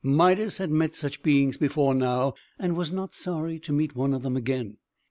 Midas had met such beings before now, and was not sorry to meet one of them again.